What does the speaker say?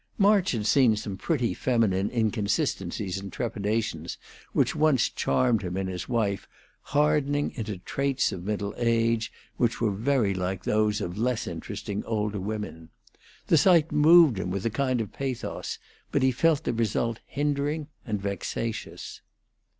March had seen some pretty feminine inconsistencies and trepidations which once charmed him in his wife hardening into traits of middle age which were very like those of less interesting older women. The sight moved him with a kind of pathos, but he felt the result hindering and vexatious.